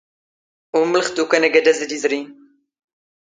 ⵓⵎⵎⵍⵖ ⵜ ⵓⴽⴰⵏ ⴰⴳⴰⴷⴰⵣ ⴰⴷ ⵉⵣⵔⵉⵏ.